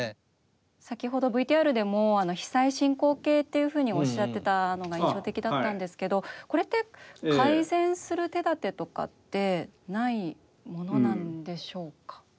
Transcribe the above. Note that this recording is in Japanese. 先ほどＶＴＲでも「被災進行形」っていうふうにおっしゃってたのが印象的だったんですけどこれって改善する手立てとかってないものなんでしょうか？